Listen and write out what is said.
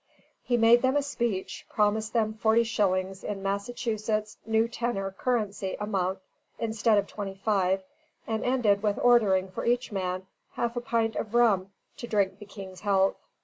He made them a speech, promised them forty shillings in Massachusetts new tenor currency a month, instead of twenty five, and ended with ordering for each man half a pint of rum to drink the King's health.